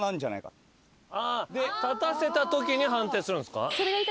立たせたときに判定するんですか？